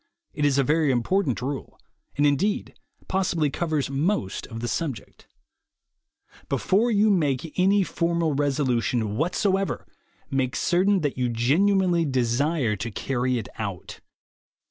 It is a very important rule, and, indeed, possibly covers most of the subject : Before you make any formal resolution what soever, make certain that you genuinely desire to carry it out.